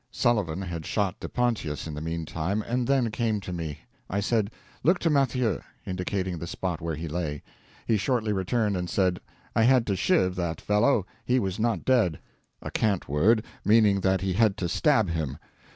Sullivan had shot De Pontius in the meantime, and then came to me. I said, 'Look to Mathieu,' indicating the spot where he lay. He shortly returned and said, 'I had to "chiv" that fellow, he was not dead,' a cant word, meaning that he had to stab him.